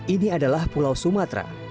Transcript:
ini adalah pulau sumatera